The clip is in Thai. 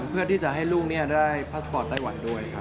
เพื่อที่จะให้ลูกได้พาสปอร์ตไต้หวันด้วยครับ